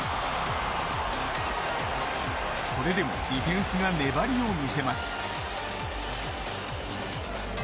それでもディフェンスが粘りを見せます。